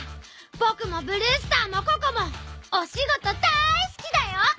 ぼくもブルースターもココもお仕事だいすきだよ！